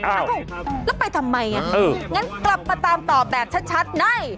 เอ้าแล้วไปทำไมงั้นกลับมาตามต่อแบบชัดใน